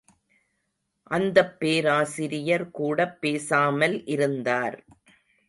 அந்தப் பேராசிரியர் கூடப்பேசாமல் இருந்தார்.